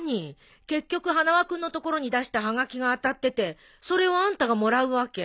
結局花輪君のところに出したはがきが当たっててそれをあんたがもらうわけ？